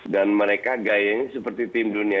dan mereka gaya ini seperti tim dunia